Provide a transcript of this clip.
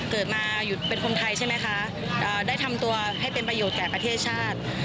เกิดมาหยุดเป็นคนไทยใช่ไหมคะได้ทำตัวให้เป็นประโยชน์แก่ประเทศชาติ